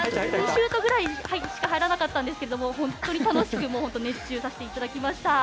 ２シュートくらいしか入らなかったんですが本当に楽しく熱中させていただきました。